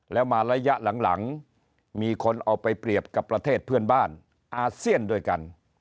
แล้วมาระยะหลังมีคนเอาไปเปรียบกับประเทศเพื่อนบ้านอาเซียนด้วยกัน